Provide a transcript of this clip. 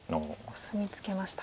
コスミツケました。